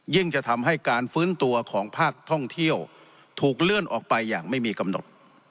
จะทำให้การฟื้นตัวของภาคท่องเที่ยวถูกเลื่อนออกไปอย่างไม่มีกำหนด